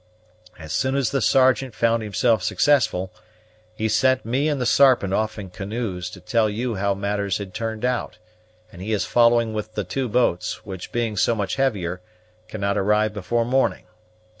As soon as the Sergeant found himself successful, he sent me and the Sarpent off in canoes to tell you how matters had turned out, and he is following with the two boats, which, being so much heavier, cannot arrive before morning.